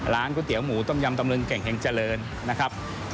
ก๋วยเตี๋ยหมูต้มยำตำลึงเก่งแห่งเจริญนะครับ